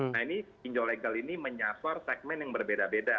nah ini pinjol legal ini menyasar segmen yang berbeda beda